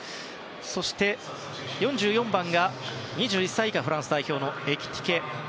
そして、４４番が２１歳以下フランス代表のエキティケ。